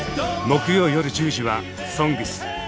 木曜夜１０時は「ＳＯＮＧＳ」。